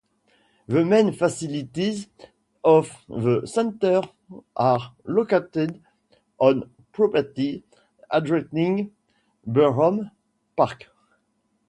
The main facilities of the center are located on property adjoining Burholme Park.